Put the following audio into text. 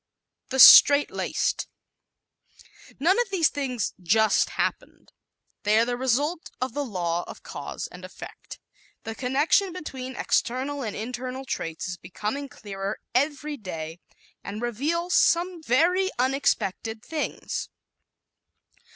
The Straight Laced ¶ None of these things "just happened." They are the result of the law of cause and effect. The connection between external and internal traits is becoming clearer every day and reveals some very unexpected things.